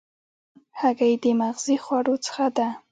هګۍ د مغذي خوړو څخه ده.